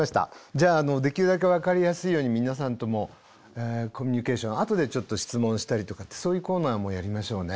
じゃあできるだけ分かりやすいように皆さんともコミュニケーション後でちょっと質問したりとかってそういうコーナーもやりましょうね。